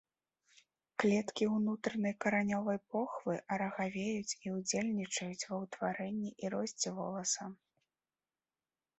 Клеткі ўнутранай каранёвай похвы арагавеюць і ўдзельнічаюць ва ўтварэнні і росце воласа.